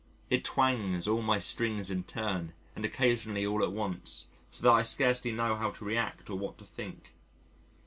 It twangs all my strings in turn and occasionally all at once, so that I scarcely know how to react or what to think.